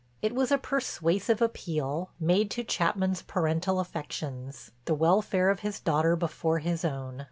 It was a persuasive appeal, made to Chapman's parental affections, the welfare of his daughter before his own.